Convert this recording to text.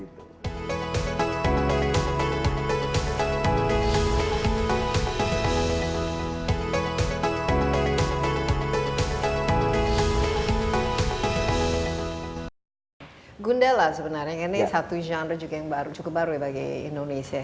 gundala sebenarnya ini satu genre yang cukup baru bagi indonesia